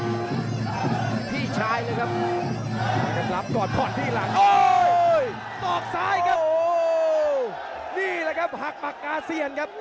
โอ้นี่แหละครับหักปักกาเซียนครับ